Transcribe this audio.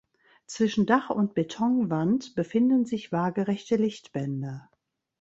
Zwischen Dach und Betonwand befinden sich waagerechte Lichtbänder.